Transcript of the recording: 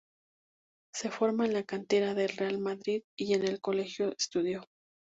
Se forma en la cantera del Real Madrid y en el Colegio Estudio.